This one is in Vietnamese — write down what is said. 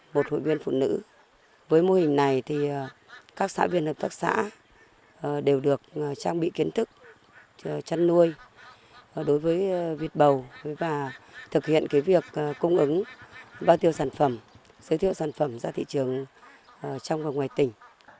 một hội viên phụ nữ với mô hình này thì các xã viên hợp tác xã đều được trang bị kiến thức chăn nuôi đối với vịt bầu và thực hiện việc cung ứng bao tiêu sản phẩm giới thiệu sản phẩm ra thị trường trong và ngoài tỉnh